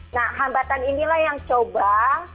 nah hambatan inilah yang coba